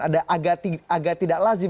ada agak tidak lazim